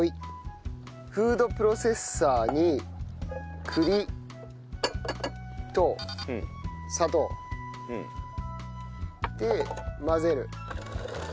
フードプロセッサーに栗と砂糖。で混ぜる。